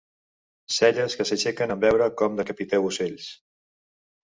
Celles que s'aixequen en veure com decapiteu ocells.